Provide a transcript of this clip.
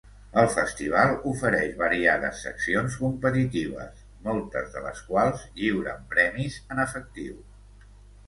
El festival ofereix variades seccions competitives, moltes de les quals lliuren premis en efectiu.